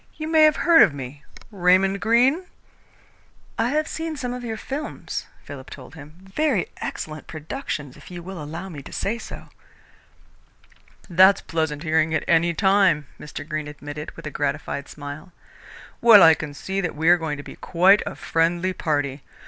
You may have heard of me Raymond Greene?" "I have seen some of your films," Philip told him. "Very excellent productions, if you will allow me to say so." "That's pleasant hearing at any time," Mr. Greene admitted, with a gratified smile. "Well, I can see that we are going to be quite a friendly party.